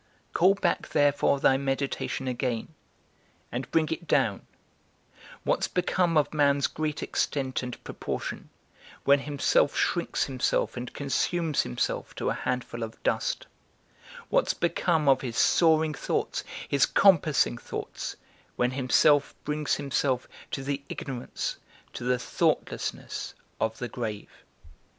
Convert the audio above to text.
Call back therefore thy meditation again, and bring it down: what's become of man's great extent and proportion, when himself shrinks himself and consumes himself to a handful of dust; what's become of his soaring thoughts, his compassing thoughts, when himself brings himself to the ignorance, to the thoughtlessness, of the grave?